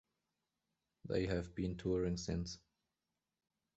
They have been touring since.